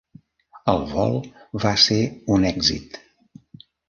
El vol va ser un èxit.